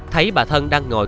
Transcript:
thấy bà thân đang ngồi